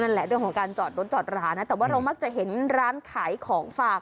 นั่นแหละด้วยของการจอดรถจอดรานะแต่ว่าเรามักจะเห็นร้านขายของฝาก